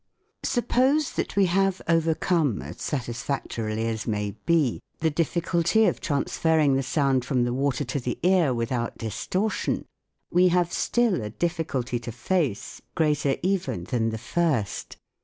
Suppose that we have overcome, as satisfactorily as may be, the difficulty of transferring the sound from the water to the ear without distortion, we have still a difficulty to face, greater even than the first.